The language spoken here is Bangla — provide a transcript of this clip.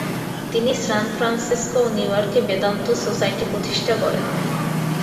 তিনি সানফ্রান্সিসকো ও নিউইয়র্কে বেদান্ত সোসাইটি প্রতিষ্ঠা করেন।